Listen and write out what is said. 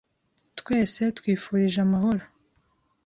Twese twifurije amahoro.